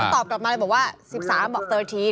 ตอบกลับมาเลยบอกว่า๑๓บอก๑๓